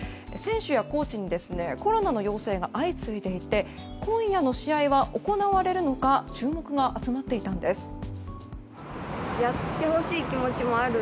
選手やコーチにコロナの陽性が相次いでいて今夜の試合は行われるのか注目が集まっていたんです。